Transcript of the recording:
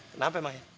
kenapa emang ya